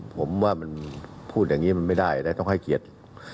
ผมว่ามันพูดอย่างนี้มันไม่ได้นะต้องให้เกียรติ